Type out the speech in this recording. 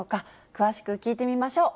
詳しく聞いてみましょう。